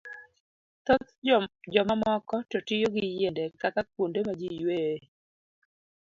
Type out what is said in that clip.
Thoth jomamoko to tiyo gi yiende kaka kuonde ma ji yueyoe.